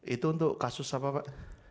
itu untuk kasus apa pak